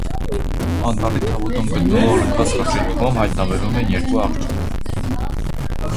Անտառի թավուտում գտնվող լքված խրճիթում հայտնաբերվում են երկու աղջիկ։